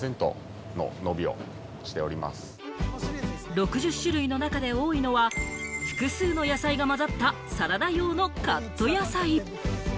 ６０種類の中で多いのは、複数の野菜が混ざったサラダ用のカット野菜。